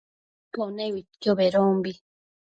Pone uidquio bedombi